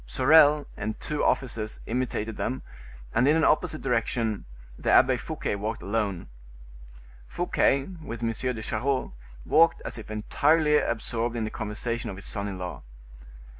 Sorel and two officers imitated them, and in an opposite direction. The Abbe Fouquet walked alone. Fouquet, with M. de Charost, walked as if entirely absorbed in the conversation of his son in law.